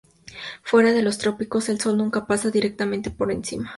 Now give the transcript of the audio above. Fuera de los trópicos, el Sol nunca pasa directamente por encima.